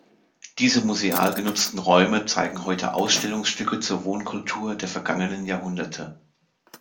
Diese museal genutzten Räume zeigen heute Ausstellungsstücke zur Wohnkultur der vergangenen Jahrhunderte.